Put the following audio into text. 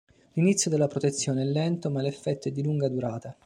L'inizio della protezione è lento, ma l'effetto è di lunga durata.